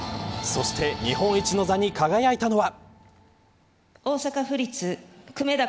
そして、日本一の座に輝いたのは。